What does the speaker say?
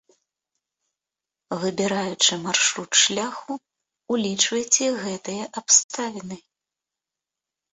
Выбіраючы маршрут шляху, улічвайце гэтыя абставіны.